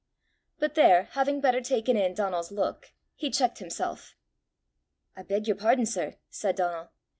But there, having better taken in Donal's look, he checked himself. "I beg your pardon, sir," said Donal.